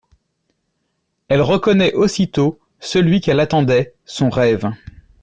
Elle reconnaît aussitôt celui qu'elle attendait, son rêve.